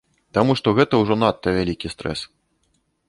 Таму што гэта ўжо надта вялікі стрэс.